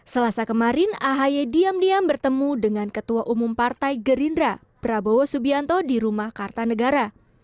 selasa kemarin ahy diam diam bertemu dengan ketua umum partai gerindra prabowo subianto di rumah kartanegara